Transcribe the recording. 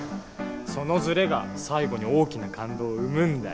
その「ずれ」が最後に大きな感動を生むんだよ。